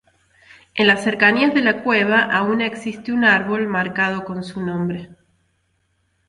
En las cercanías de la cueva aún existe un árbol marcado con su nombre.